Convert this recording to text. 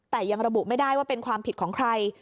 แต่ยังระบุไม่ได้ว่าเป็นความผิดของใคร